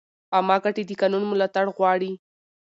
عامه ګټې د قانون ملاتړ غواړي.